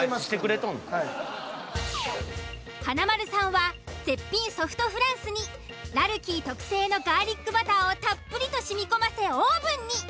華丸さんは絶品ソフトフランスに「らるきい」特製のガーリックバターをたっぷりと染み込ませオーブンに。